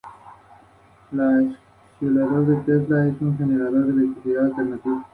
Greene ha trabajado en simetría especular, relacionando dos variedades Calabi-Yau diferentes.